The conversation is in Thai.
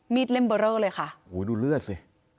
มีดเล่มเบอร์เรอเลยค่ะดูเลือดสิ